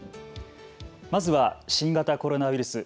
まずは新型コロナウイルス。